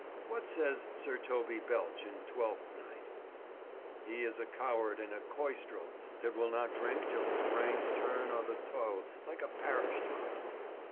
What says Sir Toby Belch, in Twelfth Night? "He is a coward and a coystril that will not drink till his brains turn o' the toe like a parish top."